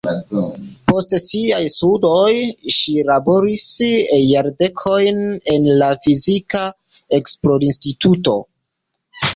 Post siaj studoj ŝi laboris jardekojn en la fizika esplorinstituto.